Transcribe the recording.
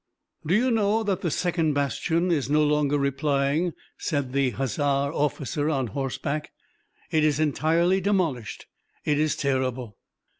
"'Do you know that the second bastion is no longer replying?' said the hussar officer on horseback, 'it is entirely demolished. It is terrible!'